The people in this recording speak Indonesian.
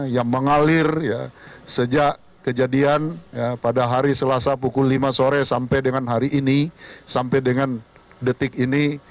yang mengalir sejak kejadian pada hari selasa pukul lima sore sampai dengan hari ini sampai dengan detik ini